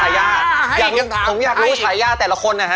อยากรู้ฉายาผมอยากรู้ฉายาแต่ละคนนะฮะ